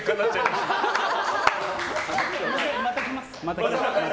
また来ます。